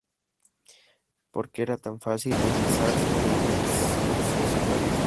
Porque era tan fácil deslizarse en el sensacionalismo.